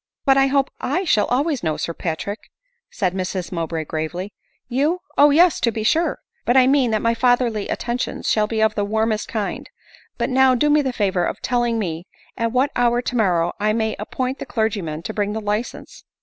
"But I hope /shall always know, Sir Patrick," said Mrs Mowbray gravely. *" You !— O yes, to be sure. But I mean that my fatherly attentions shall be of the warmest kind. But now do me the favor of telling me at what hour tomorrow I may appoint the clergyman to bring the license